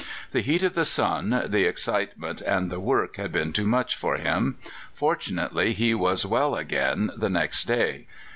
The heat of the sun, the excitement, and the work had been too much for him; fortunately, he was well again the next day.